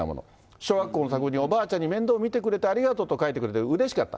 小学校の作文におばあちゃん、面倒見てくれてありがとうと書いてくれて、うれしかった。